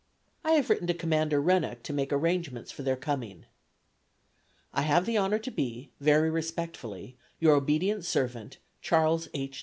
I have written to Commander Rennock to make arrangements for their coming. I have the honor to be, very respectfully your obedient servant, CHARLES H.